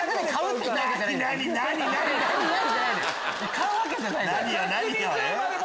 買うわけじゃないんだよ。